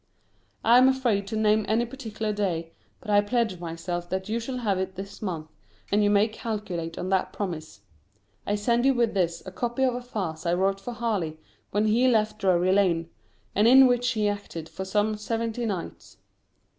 I am afraid to name any particular day, but I pledge myself that you shall have it this month, and you may calculate on that promise. I send you with this a copy of a farce I wrote for Harley when he left Drury Lane, and in which he acted for some seventy nights.